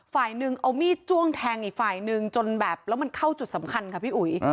ฝ่ายหนึ่งเอามีดจ้วงแทงอีกฝ่ายนึงจนแบบแล้วมันเข้าจุดสำคัญค่ะพี่อุ๋ย